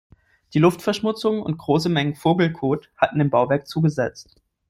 Die Luftverschmutzung und große Mengen Vogelkot hatten dem Bauwerk zugesetzt.